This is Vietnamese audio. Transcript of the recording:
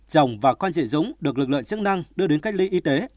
rồng và con chị dũng được lực lượng chức năng đưa đến cách ly y tế